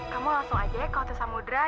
kamu langsung aja ya ke hotel samudera